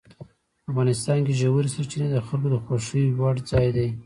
افغانستان کې ژورې سرچینې د خلکو د خوښې وړ ځای دی.